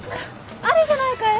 あれじゃないかえ？